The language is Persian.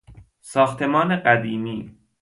ساختمان قدیمی